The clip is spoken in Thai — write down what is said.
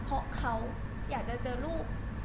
เพราะเขาอยากจะเจอลูก